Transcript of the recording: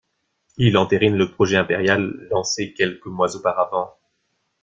Il entérine le projet impérial lancé quelques mois auparavant.